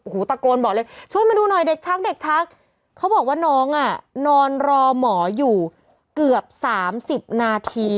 หูตะโกนบอกเลยช่วยมาดูหน่อยเด็กชักเขาบอกว่าน้องนอนรอหมออยู่เกือบ๓๐นาที